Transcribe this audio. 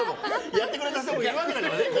やってくれた人もいるわけだからね。